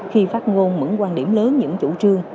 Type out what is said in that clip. khi phát ngôn những quan điểm lớn những chủ trương